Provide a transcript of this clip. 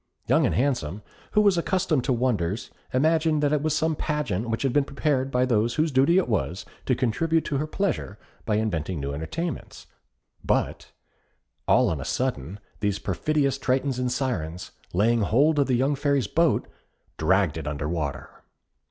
Young and Handsome, who was accustomed to wonders, imagined that it was some pageant which had been prepared by those whose duty it was to contribute to her pleasure by inventing new entertainments; but all on a sudden these perfidious Tritons and Syrens, laying hold of the young Fairy's boat, dragged it under water.